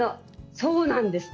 そうなんですって。